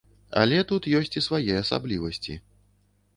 Але тут ёсць і свае асаблівасці.